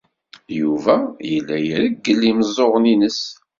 Yuba yella ireggel imeẓẓuɣen-nnes.